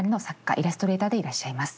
イラストレーターでいらっしゃいます。